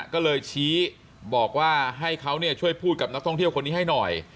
ก็เลยชี้บอกว่าให้เขาช่วยพูดกับนักท่องเที่ยวคนนี้ให้หน่อย